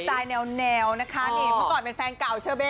ตายแนวนะคะนี่เมื่อก่อนเป็นแฟนเก่าเชอเบ